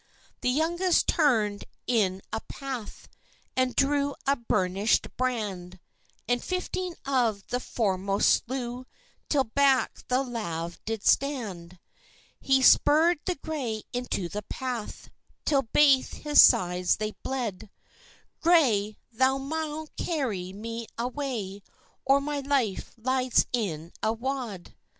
The youngest turn'd him in a path, And drew a burnish'd brand, And fifteen of the foremost slew, Till back the lave did stand. He spurr'd the gray into the path, Till baith his sides they bled: "Gray! thou maun carry me away, Or my life lies in wad!"